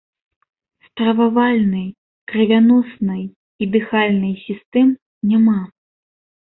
Стрававальнай, крывяноснай і дыхальнай сістэм няма.